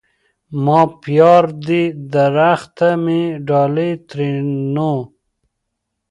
ما پيار دي درخته مي ډالی؛ ترينو